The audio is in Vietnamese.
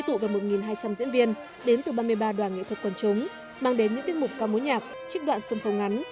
tụ gần một hai trăm linh diễn viên đến từ ba mươi ba đoàn nghệ thuật quần chúng mang đến những tiết mục ca mối nhạc trích đoạn sân khấu ngắn